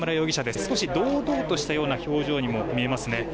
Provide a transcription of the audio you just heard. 少し、堂々とした表情にも見えますね。